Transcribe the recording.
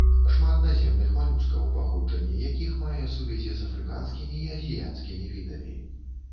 Шмат наземных малюскаў, паходжанне якіх мае сувязі з афрыканскімі і азіяцкімі відамі.